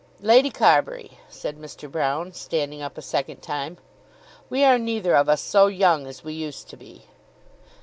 "Lady Carbury," said Mr. Broune, standing up a second time, "we are neither of us so young as we used to be."